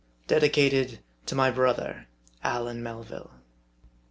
DEDICATED Brother, ALLAN MELVILLE.